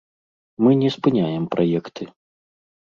Мы не спыняем праекты.